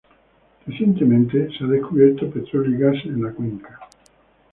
Recientemente, se ha descubierto petroleo y gas en la cuenca.